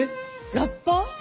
ラッパー？